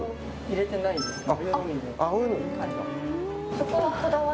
入れていないですね。